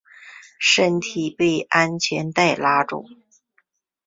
身体被安全带拉住